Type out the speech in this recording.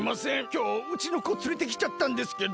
きょううちの子つれてきちゃったんですけど。